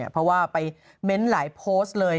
เพราะว่าไปเม้นต์หลายโพสต์เลย